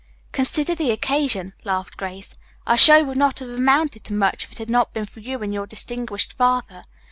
"Consider the occasion," laughed Grace. "Our show would not have amounted to much if it had not been for you and your distinguished father.